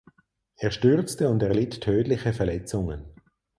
Er stürzte und erlitt tödliche Verletzungen.